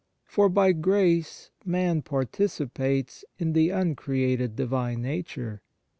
For by grace man participates in the uncreated Divine Nature.